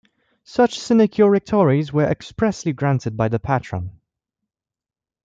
Such sinecure rectories were expressly granted by the patron.